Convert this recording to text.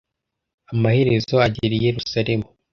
amaherezo agera i yerusalemu